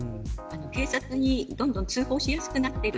警察にどんどん通報しやすくなっている。